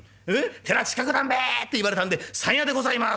寺近くだんべ』って言われたんで『山谷でございます』。